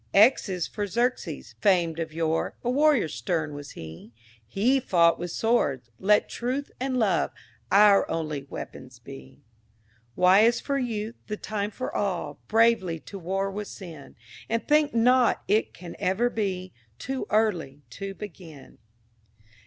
X is for Xerxes, famed of yore; A warrior stern was he He fought with swords; let truth and love Our only weapons be. Y is for Youth—the time for all Bravely to war with sin; And think not it can ever be Too early to begin.